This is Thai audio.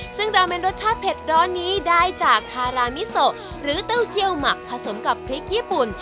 ซึ่งราเมนรสชาติเผ็ดร้อนนี้ได้จากคารามิโซหรือเต้าเจียวหมักผสมกับพริกญี่ปุ่น